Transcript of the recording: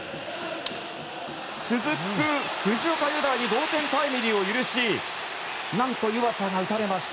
続く藤岡裕大に同点タイムリーを許し何と、湯浅が打たれました。